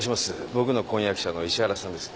僕の婚約者の石原さんです。